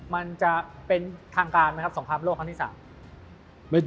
มันจะเป็นทางการมั้ยครับสมภัพร์บรูปครั้งที่๓